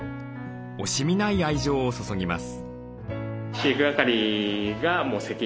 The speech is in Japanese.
惜しみない愛情を注ぎます。